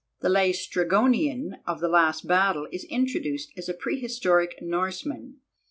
The Laestrygonian of the Last Battle is introduced as a pre historic Norseman.